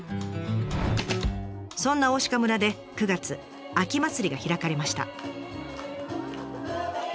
そんな大鹿村で９月秋祭りが開かれました。